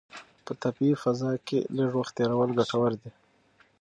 په طبیعي فضا کې لږ وخت تېرول ګټور دي.